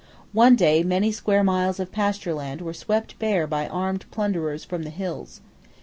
One day many square miles of pasture land were swept bare by armed plunderers from the hills.